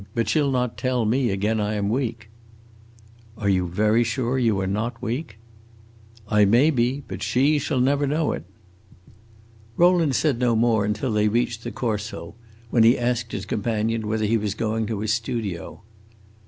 But she 'll not tell me again I am weak!" "Are you very sure you are not weak?" "I may be, but she shall never know it." Rowland said no more until they reached the Corso, when he asked his companion whether he was going to his studio.